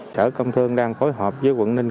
chở công thương đang phối hợp với quận ninh